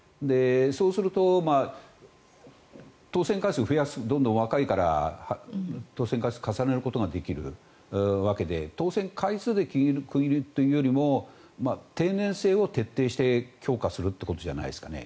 そうすると、当選回数を増やすどんどん若いから当選回数を重ねることができるわけで当選回数で区切るというよりも定年制を徹底して強化するということじゃないですかね。